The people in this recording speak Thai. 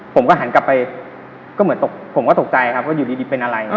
ผมก็หันกลับไปก็เหมือนตกผมก็ตกใจครับว่าอยู่ดีเป็นอะไร